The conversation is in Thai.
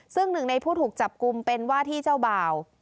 ซึ่งหนึ่งในผู้ถูกจับกลุ่มเป็นว่าที่เจ้าบ่าว